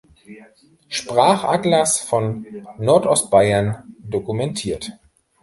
Sprachatlas von Nordostbayern" dokumentiert.